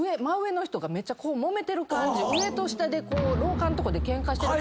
上と下でこう廊下のとこでケンカしてる感じ。